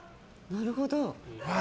なるほど。